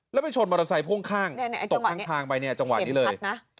แล้วไปชนมอเตอร์ไซค์ข้วงข้างตกทางไปจังหวะนี้เลย